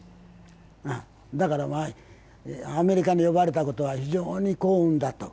だからアメリカに呼ばれたことは非常に幸運だった。